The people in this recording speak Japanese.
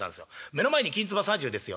目の前にきんつば３０ですよ。